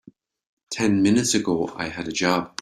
Ten minutes ago I had a job.